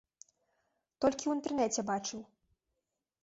Толькі ў інтэрнэце бачыў.